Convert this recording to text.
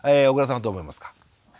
緒倉さんはどう思いますか？